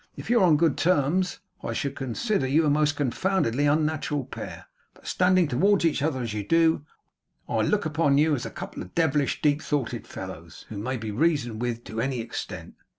If you were on good terms, I should consider you a most confoundedly unnatural pair; but standing towards each other as you do, I took upon you as a couple of devilish deep thoughted fellows, who may be reasoned with to any extent.